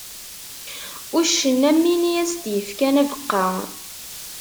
Uccen am win i as-d-yefkan abeqqa.